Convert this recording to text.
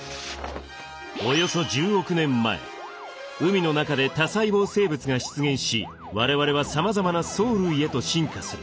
およそ１０億年前海の中で多細胞生物が出現し我々はさまざまな藻類へと進化する。